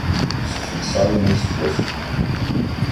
Суфіксальний спосіб